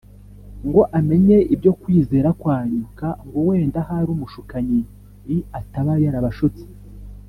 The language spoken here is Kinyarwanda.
ngo amenye ibyo kwizera kwanyu k ngo wenda ahari Umushukanyi l ataba yarabashutse